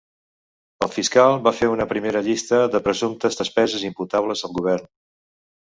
El fiscal va fer una primera llista de presumptes despeses imputables al govern.